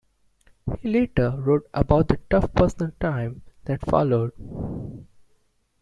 He later wrote about the tough personal times that followed.